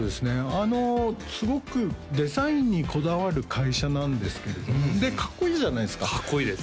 あのすごくデザインにこだわる会社なんですけれどもでかっこいいじゃないですかかっこいいです